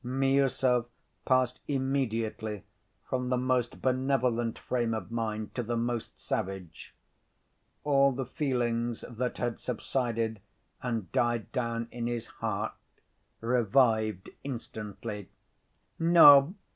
Miüsov passed immediately from the most benevolent frame of mind to the most savage. All the feelings that had subsided and died down in his heart revived instantly. "No!